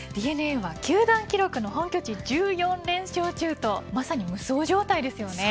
ＤｅＮＡは球団記録の本拠地１４連勝中とまさに無双状態ですよね。